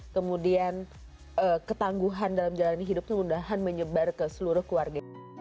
kemudian ketangguhan dalam jalan hidup semudahan menyebar ke seluruh keluarga